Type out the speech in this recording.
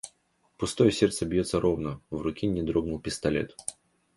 Пустое сердце бьётся ровно. В руке не дрогнул пистолет.